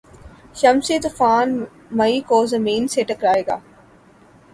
شمسی طوفان مئی کو زمین سے ٹکرائے گا